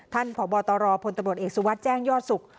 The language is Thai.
ท่านพบตรพตเอกสุวัสดิ์แจ้งยอดสุข